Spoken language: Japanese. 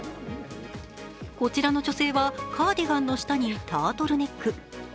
こちらの女性は、カーディガンの下にタートルネック。